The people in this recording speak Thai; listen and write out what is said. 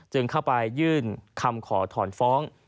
จึงเข้าไปยื่นคำขอถอนฟ้อง